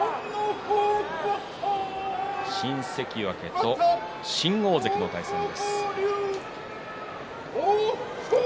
新関脇と新大関の対戦です。